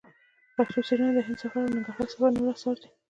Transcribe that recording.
پښتو څېړنه د هند سفر او د ننګرهار سفر نور اثار دي.